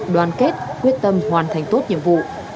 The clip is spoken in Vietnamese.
đoàn kết quyết tâm hoàn thành tốt nhiệm vụ